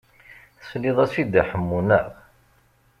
Teslid-as i Dda Ḥemmu, naɣ?